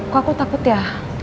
kok aku takut ya